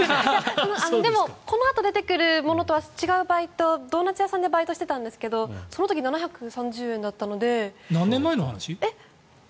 でもこのあと出てくるものとは違うバイトドーナツ屋さんでバイトしてたんですが何年前の話？